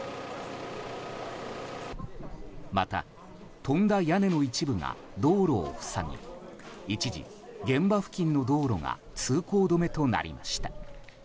また、飛んだ屋根の一部が道路を塞ぎ一時、現場付近の道路が通行止めとなりました。